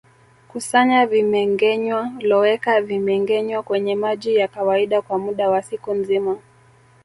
Kusanya vimengenywa loweka vimengenywa kwenye maji ya kawaida kwa muda wa siku nzima